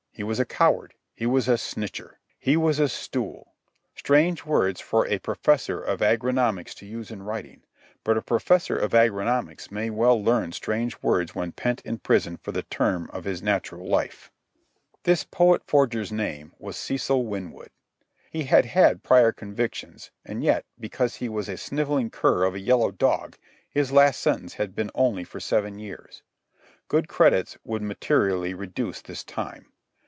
He was a coward. He was a snitcher. He was a stool—strange words for a professor of agronomics to use in writing, but a professor of agronomics may well learn strange words when pent in prison for the term of his natural life. This poet forger's name was Cecil Winwood. He had had prior convictions, and yet, because he was a snivelling cur of a yellow dog, his last sentence had been only for seven years. Good credits would materially reduce this time.